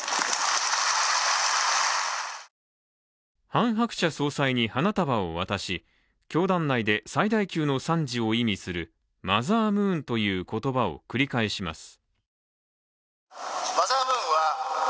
ハン・ハクチャ総裁に花束を渡し、教団内で最大級の賛辞を意味するマザームーンという言葉を繰り返します。